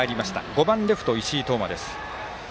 ５番レフト、石井沓抹です。